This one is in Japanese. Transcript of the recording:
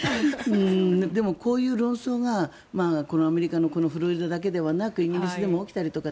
でも、こういう論争がアメリカのフロリダだけではなくイギリスでも起きたりとか。